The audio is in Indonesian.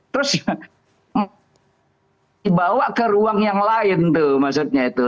terus dibawa ke ruang yang lain tuh maksudnya itu